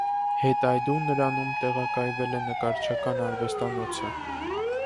Հետայդու նրանում տեղակայվել է նկարչական արվեստանոցը։